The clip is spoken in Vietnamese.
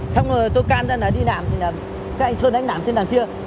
xong rồi tôi can ra là đi nảm thì là các anh sơn ấy nảm trên đằng kia